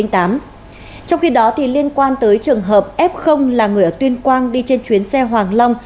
trong khi đó liên quan tới trường hợp f là người ở tuyên quang đi trên chuyến xe hoàng long